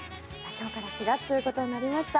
今日から４月という事になりました。